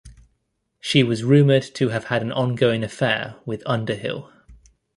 She was rumoured to have had an ongoing affair with Underhill.